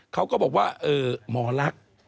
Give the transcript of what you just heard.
เขาก็บอกว่าหมอลักษณ์